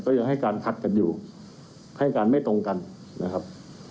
ยังให้การคัดกันอยู่ให้การไม่ตรงกันนะครับ